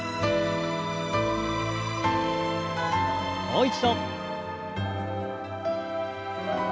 もう一度。